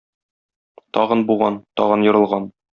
Тагын буган, тагын ерылган.